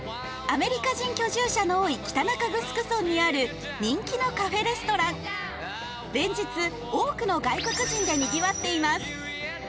アメリカ人居住者の多い北中城村にある人気のカフェレストラン連日多くの外国人でにぎわっています